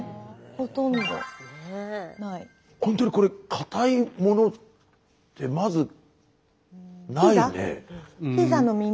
ほんとにこれかたいものってまずないね。